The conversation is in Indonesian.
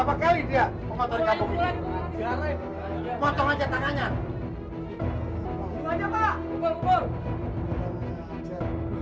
potong aja tangannya